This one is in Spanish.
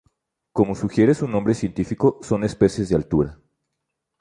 Como sugiere su nombre científico, son especies de altura.